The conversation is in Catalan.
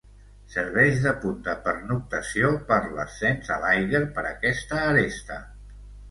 Serveix de punt de pernoctació per l'ascens a l'Eiger per aquesta aresta.